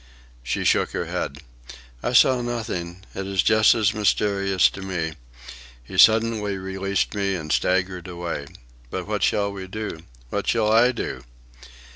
She shook her head. "I saw nothing. It is just as mysterious to me. He suddenly released me and staggered away. But what shall we do? What shall I do?"